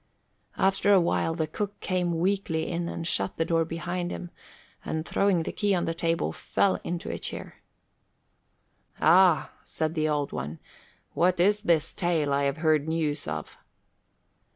After a while the cook came weakly in and shut the door behind him and, throwing the key on the table, fell into a chair. "Ah," said the Old One, "what is this tale I have heard news of?"